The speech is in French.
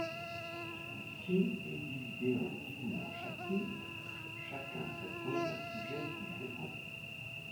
Celui-ci est divisé en dix-neuf chapitres, chacun traitant d'un sujet différent.